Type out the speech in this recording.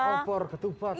makan opor ketupat